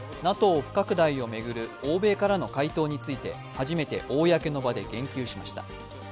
不拡大を巡る欧米からの回答について初めて公の場で言及しました。